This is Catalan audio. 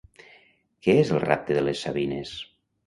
Què és el rapte de les sabines?